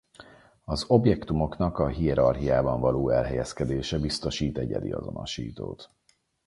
Az objektumoknak a hierarchiában való elhelyezkedése biztosít egyedi azonosítót.